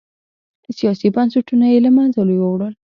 سیاسي بنسټونه یې له منځه یووړل.